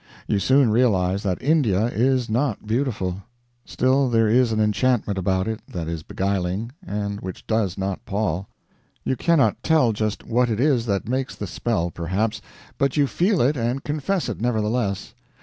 You soon realize that India is not beautiful; still there is an enchantment about it that is beguiling, and which does not pall. You cannot tell just what it is that makes the spell, perhaps, but you feel it and confess it, nevertheless.